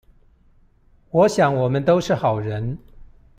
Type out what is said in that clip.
我想我們都是好人